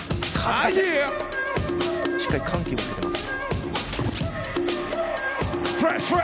しっかり緩急もつけています。